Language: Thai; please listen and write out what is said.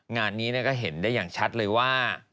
งานนี้ก็เห็นได้อย่างชัดเลยว่า